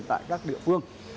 tại các địa phương